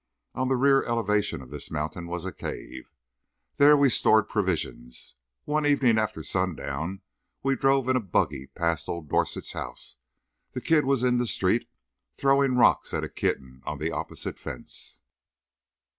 On the rear elevation of this mountain was a cave. There we stored provisions. One evening after sundown, we drove in a buggy past old Dorset's house. The kid was in the street, throwing rocks at a kitten on the opposite fence.